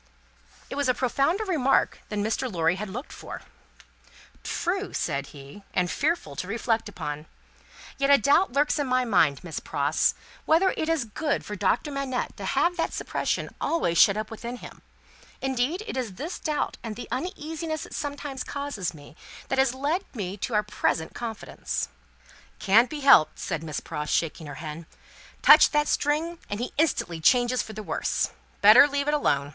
It was a profounder remark than Mr. Lorry had looked for. "True," said he, "and fearful to reflect upon. Yet, a doubt lurks in my mind, Miss Pross, whether it is good for Doctor Manette to have that suppression always shut up within him. Indeed, it is this doubt and the uneasiness it sometimes causes me that has led me to our present confidence." "Can't be helped," said Miss Pross, shaking her head. "Touch that string, and he instantly changes for the worse. Better leave it alone.